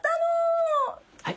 はい。